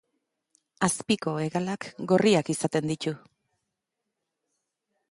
Azpiko hegalak gorriak izaten ditu.